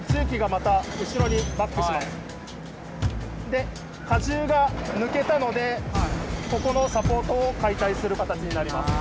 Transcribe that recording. で荷重が抜けたのでここのサポートを解体する形になります。